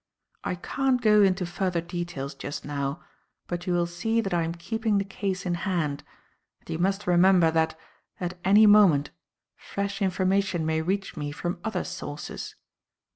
I can't go into further details just now, but you will see that I am keeping the case in hand, and you must remember that, at any moment, fresh information may reach me from other sources.